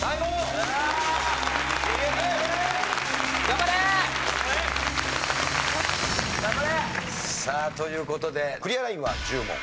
頑張れ！さあという事でクリアラインは１０問。